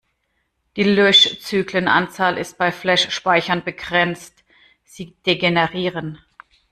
Die Löschzyklenanzahl ist bei Flash-Speicher begrenzt; sie degenerieren.